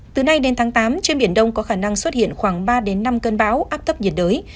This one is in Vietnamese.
từ nay đến tháng tám trên biển đông có khả năng xuất hiện khoảng ba đến năm cơn bão áp thấp nhiệt đới